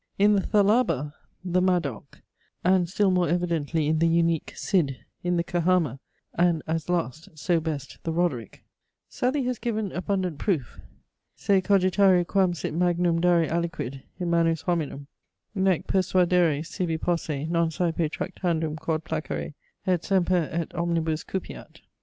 In the Thalaba, the Madoc, and still more evidently in the unique Cid, in the Kehama, and, as last, so best, the Roderick; Southey has given abundant proof, se cogitare quam sit magnum dare aliquid in manus hominum: nec persuadere sibi posse, non saepe tractandum quod placere et semper et omnibus cupiat.